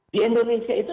di indonesia itu